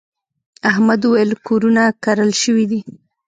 احمد وويل: کورونه کرل شوي دي.